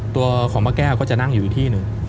ตัวของป้าแก้วก็จะนั่งอยู่อีกที่หนึ่ง